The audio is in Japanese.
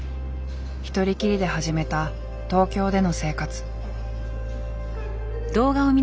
一人きりで始めた東京での生活。